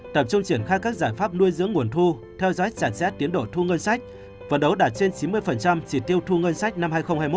tập trung triển khai các giải pháp nuôi dưỡng nguồn thu theo dõi sản xét tiến độ thu ngân sách và đấu đạt trên chín mươi chỉ tiêu thu ngân sách năm hai nghìn hai mươi một